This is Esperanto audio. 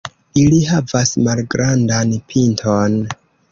Ili havas malgrandan pinton.